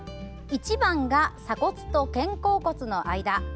１番が鎖骨と肩甲骨の間。